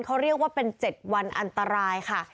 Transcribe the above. เขาเรียกว่าเป็น๗วันอันตรายค่ะ